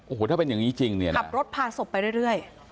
โอ้โหถ้าเป็นอย่างนี้จริงเนี่ยนะขับรถพาศพไปเรื่อย